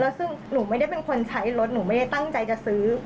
ซึ่งหนูไม่ได้เป็นคนใช้รถหนูไม่ได้ตั้งใจจะซื้อ